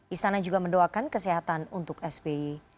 istana juga mendoakan kesehatan untuk sby